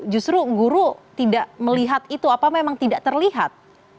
justru guru tidak melihat itu apa memang tidak terlihat